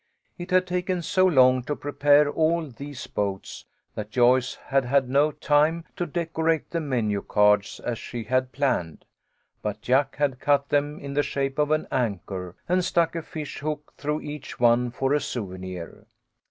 It had taken so long to prepare all these boats, that Joyce had had no time to decorate the menu cards as she had planned, but Jack had cut them in the shape of an anchor, and stuck a fish hook through each one for a souvenir.